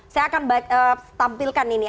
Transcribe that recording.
saya akan tampilkan ini